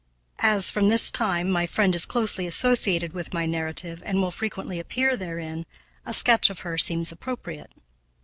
As, from this time, my friend is closely connected with my narrative and will frequently appear therein, a sketch of her seems appropriate.